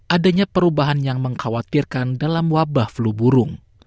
adanya perubahan yang mengkhawatirkan dalam wabah flu burung